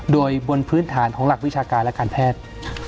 โดยบนพื้นฐานของหลักวิชาการและการแพทย์